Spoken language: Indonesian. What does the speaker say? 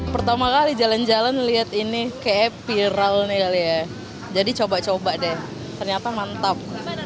pertama kali jalan jalan lihat ini kayaknya viral nih kali ya jadi coba coba deh ternyata mantap